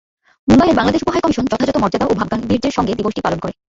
মুম্বাইয়ের বাংলাদেশ উপহাইকমিশন যথাযথ মর্যাদা ও ভাবগাম্ভীর্যের সঙ্গে দিবসটি পালন করে।